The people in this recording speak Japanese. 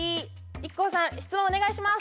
ＩＫＫＯさん質問お願いします！